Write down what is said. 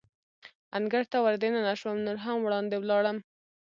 انګړ ته ور دننه شوم، نور هم وړاندې ولاړم.